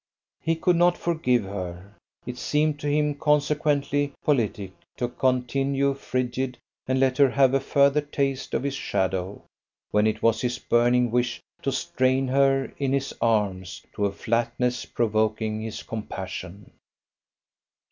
He could not forgive her. It seemed to him consequently politic to continue frigid and let her have a further taste of his shadow, when it was his burning wish to strain her in his arms to a flatness provoking his compassion.